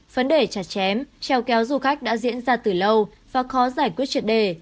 vấn đề chặt chém treo kéo du khách đã diễn ra từ lâu và khó giải quyết triệt đề